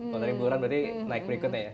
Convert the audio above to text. kalau dari liburan berarti naik berikutnya ya